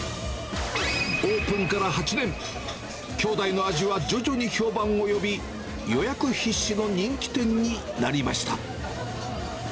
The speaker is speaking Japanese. オープンから８年、兄弟の味は徐々に評判を呼び、予約必至の人気店になりました。